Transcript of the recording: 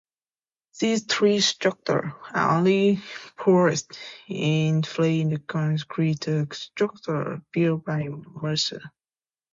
These three structures are the only poured-in-place concrete structures built by Mercer.